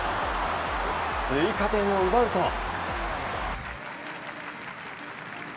追加点を奪うと。